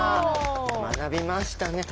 学びましたね。